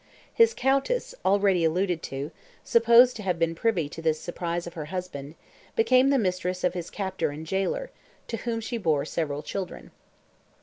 His Countess, already alluded to, supposed to have been privy to this surprise of her husband, became the mistress of his captor and jailer, to whom she bore several children.